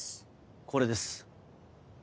これです。